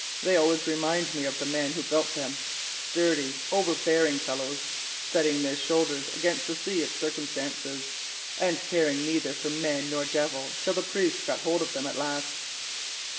They always remind me of the men who built them—sturdy, overbearing fellows, setting their shoulders against the sea of circumstance and caring neither for man nor devil till the priests got hold of them at the last.